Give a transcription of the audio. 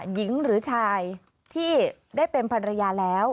หญิงหรือชายที่ได้เป็นภรรยาแล้ว